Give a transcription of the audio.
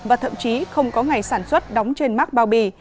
và thậm chí không có ngày sản xuất đóng trên mắc bao bì